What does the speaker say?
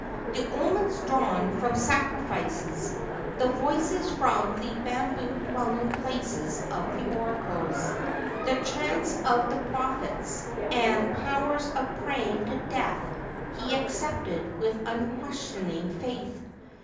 The omens drawn from sacrifices, the voices from the bam¬ boo dwelling places of the oracles, the chants of the prophets, and powers of praying to death he accepted with unquestioning faith.